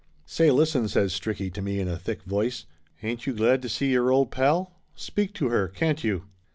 "Say, listen!" says Stricky to me in a thick voice. "Ain't you glad to see your old pal? Speak to her, can't you